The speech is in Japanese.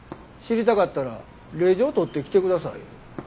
知りたかったら令状取って来てくださいよ。